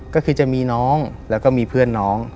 ก็คือจะมีน้องแล้วก็มีเพื่อนน้อง